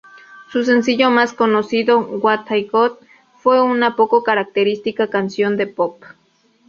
Su sencillo más conocido, "What I Got", fue una poco característica canción de pop.